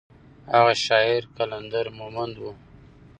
هغه شاعر قلندر مومند و.